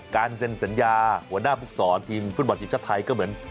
เซ็นสัญญาหัวหน้าภูกษรทีมฟุตบอลทีมชาติไทยก็เหมือน